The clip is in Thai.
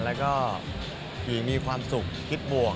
แล้วก็ผีมีความสุขคิดบวก